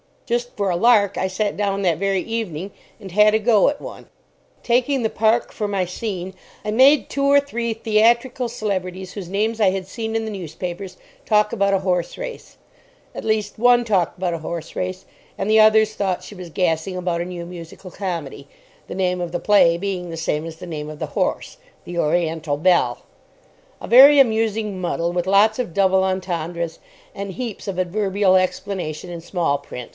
Just for a lark, I sat down that very evening and had a go at one. Taking the Park for my scene, I made two or three theatrical celebrities whose names I had seen in the newspapers talk about a horse race. At least, one talked about a horse race, and the others thought she was gassing about a new musical comedy, the name of the play being the same as the name of the horse, "The Oriental Belle." A very amusing muddle, with lots of doubles entendres, and heaps of adverbial explanation in small print.